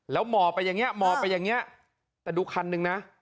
แล้วหมอไปอย่างนี้หมอไปอย่างนี้แต่ดูคันหนึ่งนะ